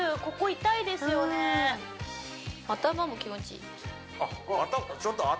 ここ痛いですよねあっ